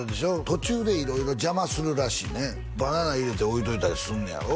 途中で色々邪魔するらしいねバナナ入れて置いといたりすんねやろ？